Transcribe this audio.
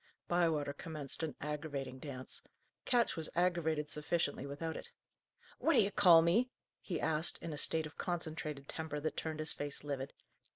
Bywater commenced an aggravating dance. Ketch was aggravated sufficiently without it. "What d'ye call me?" he asked, in a state of concentrated temper that turned his face livid.